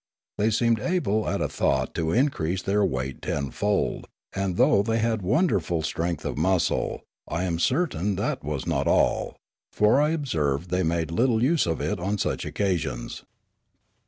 They seemed able at a thought to increase their weight tenfold, and though they had wonderful strength of muscle, I am certain that was not all, for I observed they made little use of it on such occasions.